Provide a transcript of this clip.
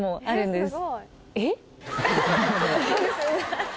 そうですよね。